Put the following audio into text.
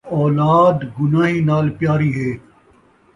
اولاد گناہیں نال پیاری ہے